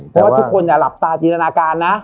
เพราะว่าทุกคนอย่าหลับตาจินตนาการนะ